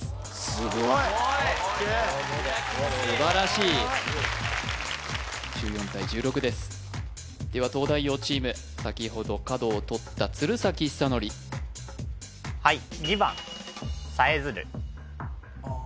すごい素晴らしい１４対１６ですでは東大王チーム先ほど角を取った鶴崎修功はい